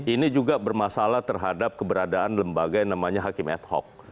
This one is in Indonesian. ini juga bermasalah terhadap keberadaan lembaga yang namanya hakim ad hoc